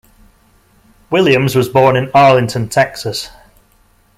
Williams was born in Arlington, Texas.